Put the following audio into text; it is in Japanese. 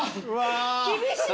厳しいね。